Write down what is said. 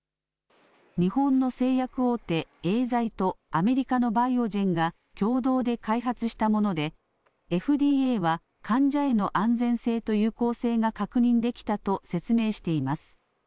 日本の製薬大手エーザイとアメリカのバイオジェンが共同で開発したものでＦＤＡは患者への安全性と有効性が確認できたと説明しています。